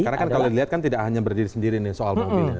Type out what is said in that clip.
karena kan kalau dilihat kan tidak hanya berdiri sendiri nih soal mobil